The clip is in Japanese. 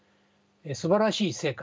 すばらしい成果